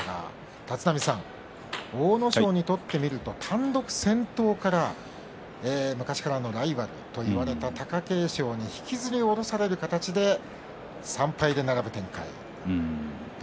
立浪さん、阿武咲にとってみると単独先頭から昔からのライバルと言われた貴景勝に引きずり下ろされる形で３敗で並ぶ展開